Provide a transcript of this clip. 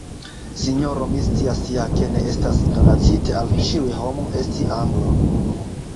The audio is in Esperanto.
sinjoro, mi scias ja, ke ne estas donacite al ĉiu homo, esti Anglo.